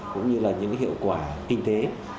cũng như là những hiệu quả kinh tế